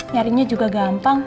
nyarinya juga gampang